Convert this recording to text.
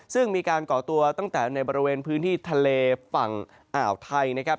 ซึ่งมีการก่อตัวตั้งแต่ในบริเวณพื้นที่ทะเลฝั่งอ่าวไทยนะครับ